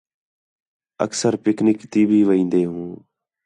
اکثرا پِکنِک تی بھی وین٘دے ہوں